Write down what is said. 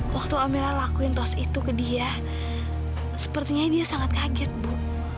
waktu amira lakuin tos itu ke dia sepertinya dia sangat kaget ibu